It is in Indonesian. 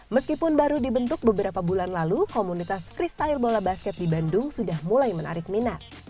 meskipun baru dibentuk beberapa bulan lalu komunitas kristie bola basket di bandung sudah mulai menarik minat